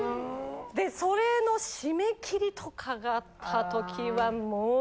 でそれの締め切りとかがあった時はもう。